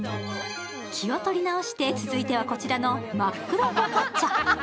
気を取り直して、続いては、こちらの真っ黒フォカッチャ。